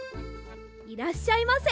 いらっしゃいませ。